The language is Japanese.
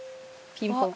ピンポン。